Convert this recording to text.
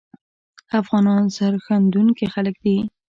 افغانان سرښندونکي خلګ دي